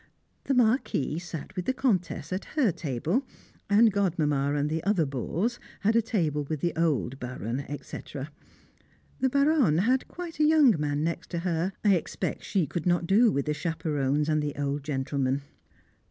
The Marquis sat with the Comtesse at her table, and Godmamma and the other bores had a table with the old Baron, etc. The Baronne had quite a young man next her. I expect she could not do with the chaperons and the old gentlemen.